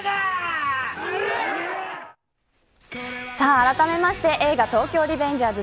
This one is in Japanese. あらためまして映画、東京リベンジャーズ